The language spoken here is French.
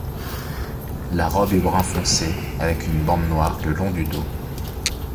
La robe est brun foncé, avec une bande noire le long du dos.